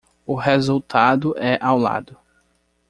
O resultado é ao lado